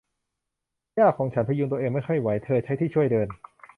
ย่าของฉันพยุงตัวเองไม่ค่อยไหว เธอใช้ที่ช่วยเดิน